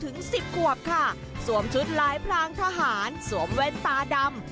สิบขวบค่ะสวมชุดลายพรางทหารสวมแว่นตาดำ